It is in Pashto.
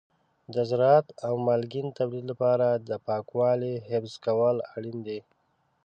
د زراعت او مالګین تولید لپاره د پاکوالي حفظ کول اړین دي.